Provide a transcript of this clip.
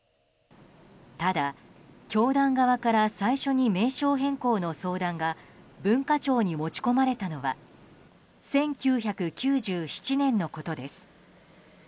ただ、教団側から最初に名称変更の相談が文化庁に持ち込まれたのは１９９７年のことです。